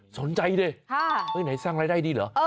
สนใจดิไปไหนสร้างรายได้ดีเหรอ